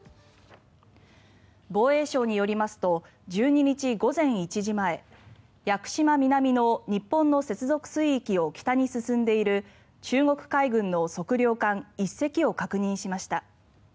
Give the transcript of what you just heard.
防衛省によりますと１２日午前１時前屋久島南の日本の接続水域を北に進んでいる中国海軍の測量艦１隻を確認しました。